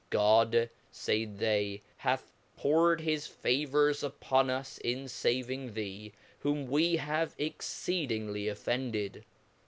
God, faid they, hath pour ed his favors upon us in faving thee, whom we have exceeding ly offended.